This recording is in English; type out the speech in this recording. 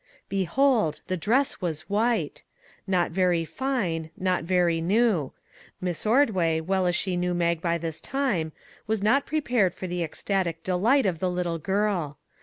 Behold, the dress was white ! Not very fine, not very new. Miss Ordway, well as she knew 206 WHITE DRESSES Mag by this time, was not prepared for the ecstatic delight of the little girl.